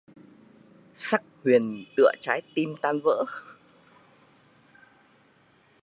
Sắc hồng tựa trái tim tan vỡ